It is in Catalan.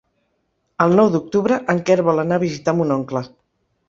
El nou d'octubre en Quer vol anar a visitar mon oncle.